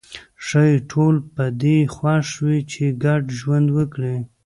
ښايي ټول په دې خوښ وي چې ګډ ژوند وکړي.